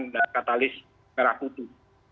dengan menggunakan katalis karakutu